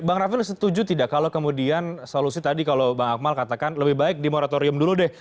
bang raffi setuju tidak kalau kemudian solusi tadi kalau bang akmal katakan lebih baik di moratorium dulu deh